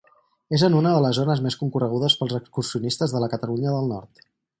És en una de les zones més concorregudes pels excursionistes de la Catalunya del Nord.